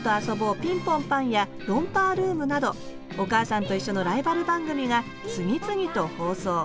ピンポンパン」や「ロンパールーム」など「おかあさんといっしょ」のライバル番組が次々と放送。